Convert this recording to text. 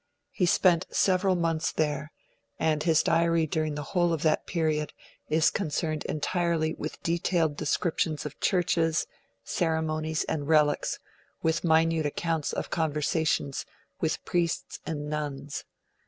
He spent several months there, and his Diary during the whole of that period is concerned entirely with detailed descriptions of churches, ceremonies, and relics, and with minute accounts of conversations with priests and nuns.